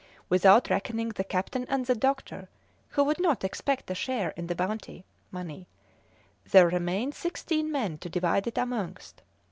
Without reckoning the captain and the doctor, who would not expect a share in the bounty money, there remained sixteen men to divide it amongst.